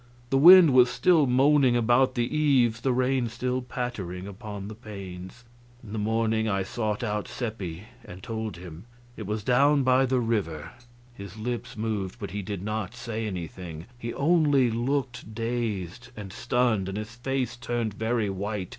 The wind was still moaning about the eaves, the rain still pattering upon the panes. In the morning I sought out Seppi and told him. It was down by the river. His lips moved, but he did not say anything, he only looked dazed and stunned, and his face turned very white.